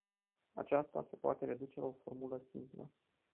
Aceasta se poate reduce la o formulă simplă.